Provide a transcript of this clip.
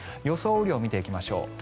雨量を見ていきましょう。